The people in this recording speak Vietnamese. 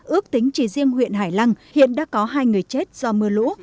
ước tính chỉ riêng huyện hải lăng hiện đã có hai người chết do mưa lũ